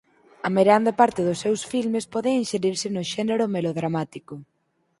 A meirande parte dos seus filmes poden inxerirse no xénero melodramático.